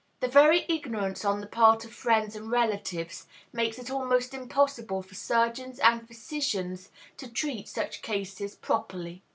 This very ignorance on the part of friends and relatives makes it almost impossible for surgeons and physicians to treat such cases properly.